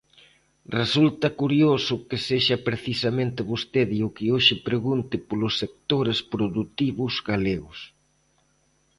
Resulta curioso que sexa precisamente vostede o que hoxe pregunte polos sectores produtivos galegos.